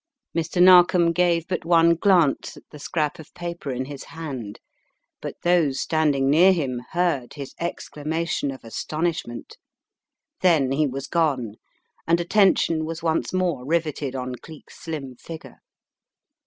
Mr. Narkom gave but one glance at the scrap of paper in his hand, but those standing near him heard his exclamation of astonishment. Then he was gone, and attention was once more rivetted on Cleek's slim figure.